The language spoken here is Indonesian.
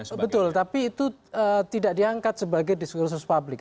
oh betul tapi itu tidak diangkat sebagai diskursus publik